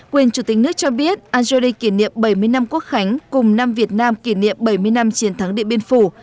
quyền chủ tịch nước cho biết algeri kỷ niệm bảy mươi năm quốc khánh cùng năm việt nam kỷ niệm bảy mươi năm chiến thắng điện biên phủ